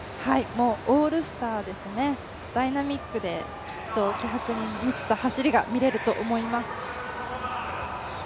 オールスターですね、ダイナミックで、きっと気迫に満ちた走りが見られると思います。